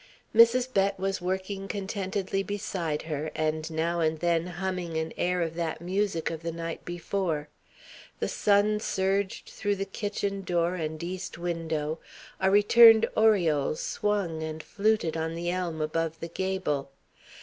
Mrs. Bett was working contentedly beside her, and now and then humming an air of that music of the night before. The sun surged through the kitchen door and east window, a returned oriole swung and fluted on the elm above the gable.